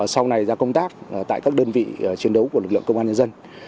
sau này ra công tác tại các đơn vị chiến đấu của lực lượng công an nhân dân